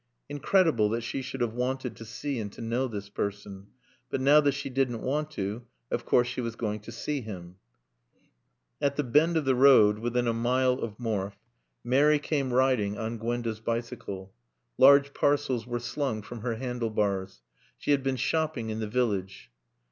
Incredible that she should have wanted to see and to know this person. But now, that she didn't want to, of course she was going to see him. At the bend of the road, within a mile of Morfe, Mary came riding on Gwenda's bicycle. Large parcels were slung from her handle bars. She had been shopping in the village.